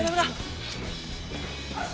berhenti banget nanti